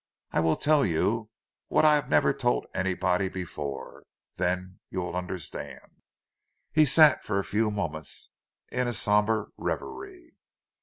I will tell you—what I have never told anybody before. Then you will understand." He sat for a few moments, in a sombre reverie.